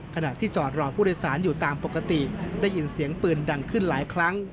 ขณะที่จอดรอผู้โดยสารอยู่ตามปกติได้ยินเสียงปืนดังขึ้นหลายครั้ง